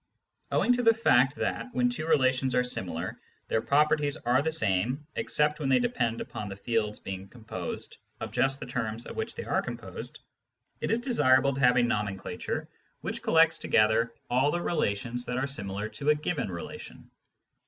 Owing to the fact that, when two relations are similar, their properties are the same except when they depend upon the fields being composed of just the terms of which they are com posed, it is desirable to have a nomenclature which collects 56 Introduction to Mathematical Philosophy together all the relations that are similar to a given relation.